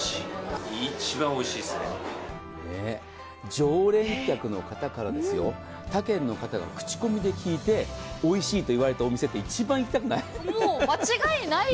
常連客の方から他県の方が口コミで聞いておいしいと言われた店一番行きたくなりません？